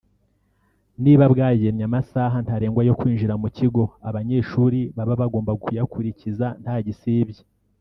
niba bwagennye amasaha ntarengwa yo kwinjira mu kigo abanyeshuri baba bagomba kuyakurikiza nta gisibya